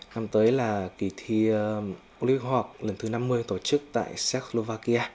năm tới là kỳ thi olympic học lần thứ năm mươi tổ chức tại czechoslovakia